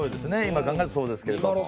今考えるとそうですけれども。